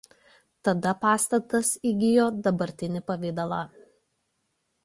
Tada pastatas įgijo dabartinį pavidalą.